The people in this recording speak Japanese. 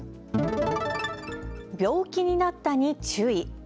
病気になったに注意。